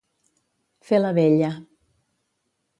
Fer la vella.